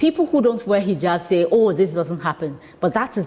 orang orang yang tidak memakai hijab mengatakan oh ini tidak berhasil